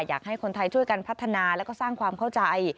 อยากให้คนไทยช่วยกันพัฒนาแล้วก็สร้างความเข้าใจ